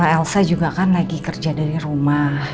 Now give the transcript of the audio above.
elsa juga kan lagi kerja dari rumah